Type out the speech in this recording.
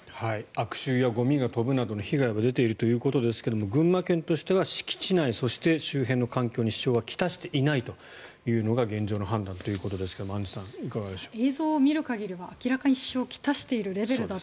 悪臭やゴミが飛ぶなどの被害が出ているということですが群馬県としては敷地内そして周辺の環境に支障は来していないというのが現状の判断ということですがアンジュさんいかがでしょうか。